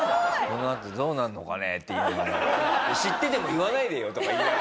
「このあとどうなるのかね？」って言いながら「知ってても言わないでよ？」とか言いながら。